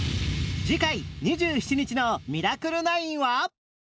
次回２７日の『ミラクル９』は